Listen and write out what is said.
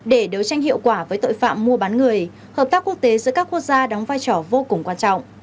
để đấu tranh hiệu quả với tội phạm mua bán người hợp tác quốc tế giữa các quốc gia đóng vai trò vô cùng quan trọng